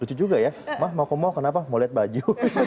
lucu juga ya mah mau ke mall kenapa mau lihat baju